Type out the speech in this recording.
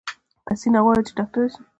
حسينه غواړی چې ډاکټره شی